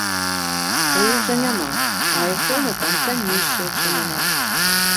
У іх жа няма, а айфоны там таннейшыя, чым у нас.